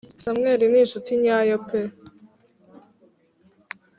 samuel ni inshuti nyayo pe